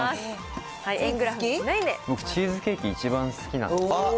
僕、チーズケーキ、一番好きで。